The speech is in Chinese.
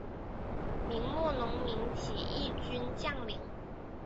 明末农民起义军将领。